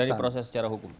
dari proses secara hukum